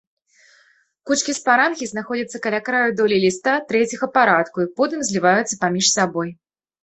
Кучкі спарангій знаходзяцца каля краю долей ліста трэцяга парадку і потым зліваюцца паміж сабой.